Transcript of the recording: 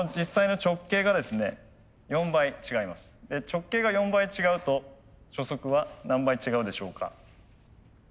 直径が４倍違うと初速は何倍違うでしょうか？